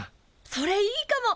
それいいかも！